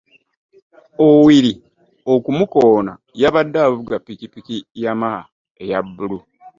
Owili okumukoona yabadde avuga ppikipiki Yamaha eya bbulu.